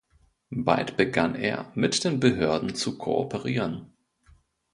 Bald begann er, mit den Behörden zu kooperieren.